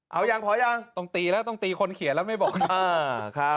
เอายังพอยังต้องตีแล้วต้องตีคนเขียนแล้วไม่บอกนะ